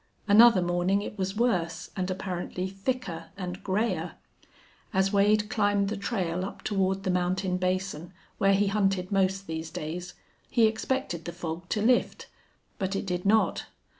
Another morning it was worse, and apparently thicker and grayer. As Wade climbed the trail up toward the mountain basin, where he hunted most these days, he expected the fog to lift. But it did not.